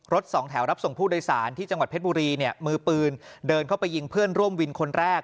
สองแถวรับส่งผู้โดยสารที่จังหวัดเพชรบุรีเนี่ยมือปืนเดินเข้าไปยิงเพื่อนร่วมวินคนแรก